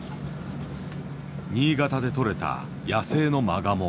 新潟で捕れた野生のマガモ。